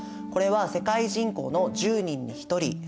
これは世界人口の１０人に１人。